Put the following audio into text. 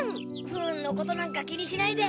不運のことなんか気にしないで。